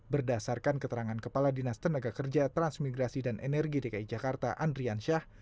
berdasarkan keterangan kepala dinas tenaga kerja transmigrasi dan energi dki jakarta andrian syah